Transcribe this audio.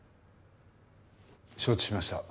承知しました。